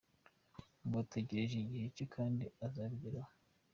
Ngo ategereje igihe cye kandi azabigeraho.